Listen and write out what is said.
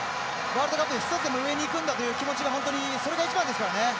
ワールドカップで１つでも上に行くんだという気持ちで本当にそれが一番ですからね。